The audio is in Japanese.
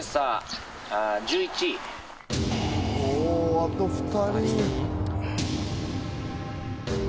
あと２人。